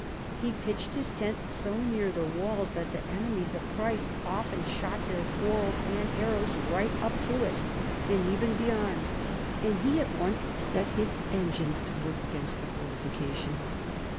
He pitched his tent so near the walls that " the enemies of Christ often shot their quarrels and arrows right up to it, and even beyond," and he at once set his engines to work against the fortifications.